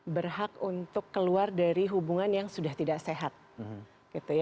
berhak untuk keluar dari hubungan yang sudah tidak sehat